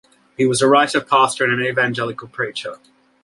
He was a writer, pastor and an evangelical preacher.